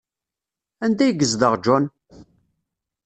Anda ay yezdeɣ John?